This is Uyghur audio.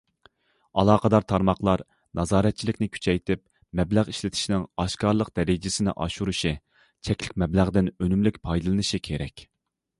ئالاقىدار تارماقلار نازارەتچىلىكنى كۈچەيتىپ، مەبلەغ ئىشلىتىشنىڭ ئاشكارىلىق دەرىجىسىنى ئاشۇرۇشى، چەكلىك مەبلەغدىن ئۈنۈملۈك پايدىلىنىشى كېرەك.